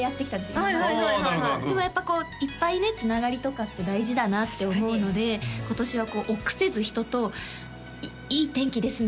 今まではでもやっぱこういっぱいねつながりとかって大事だなって思うので今年は臆せず人と「いい天気ですね」